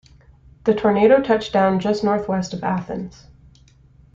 The tornado touched down just northwest of Athens.